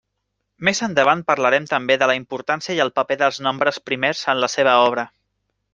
Més endavant parlarem també de la importància i el paper dels nombres primers en la seva obra.